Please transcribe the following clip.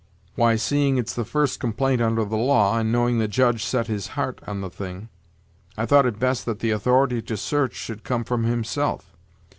"Why, seeing it's the first complaint under the law, and knowing the judge set his heart on the thing, I thought it best that the authority to search should come from himself.